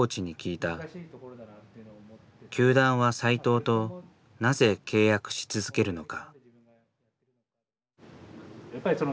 球団は斎藤となぜ契約し続けるのか。